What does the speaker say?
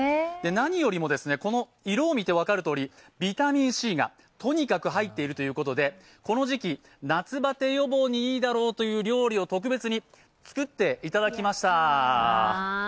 何より、色を見てわかるとおりビタミンＣがとにかく入っているということでこの時期、夏バテ予防にいいだろうという料理を特別に作っていただきました。